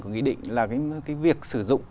của nghị định là cái việc sử dụng